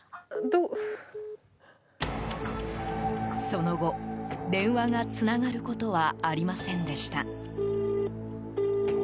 その後、電話がつながることはありませんでした。